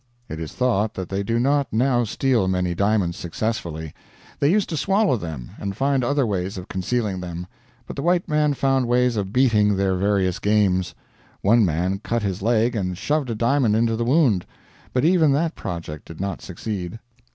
It is thought that they do not now steal many diamonds successfully. They used to swallow them, and find other ways of concealing them, but the white man found ways of beating their various games. One man cut his leg and shoved a diamond into the wound, but even that project did not succeed.